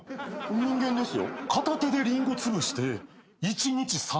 人間ですよ。